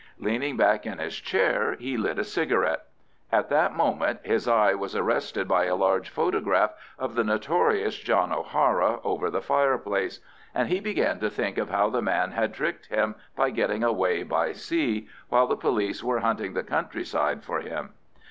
Leaning back in his chair he lit a cigarette. At that moment his eye was arrested by a large photograph of the notorious John O'Hara over the fireplace, and he began to think of how the man had tricked him by getting away by sea, while the police were hunting the countryside for him.